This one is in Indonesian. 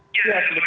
ya sebetulnya sih